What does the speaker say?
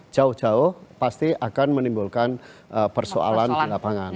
jauh jauh pasti akan menimbulkan persoalan di lapangan